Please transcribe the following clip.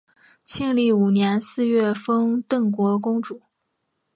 庆历五年四月封邓国公主。